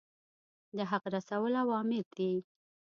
د هغه رسول اوامر دي.